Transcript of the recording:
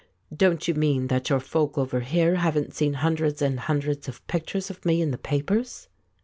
"Don't you mean that your folk over here haven't seen hundreds and hundreds of pictures of me in the papers